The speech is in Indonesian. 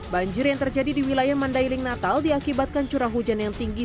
banjir yang terjadi di wilayah mandailing natal diakibatkan curah hujan yang tinggi